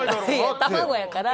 卵やから。